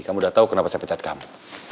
kamu udah tahu kenapa saya pecat kamu